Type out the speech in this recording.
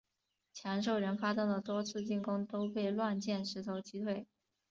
强兽人发动的多次进攻都被乱箭石头击退。